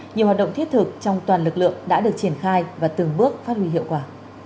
nhiều hoạt động thiết thực trong toàn lực lượng đã được triển khai và từng bước phát huy hiệu quả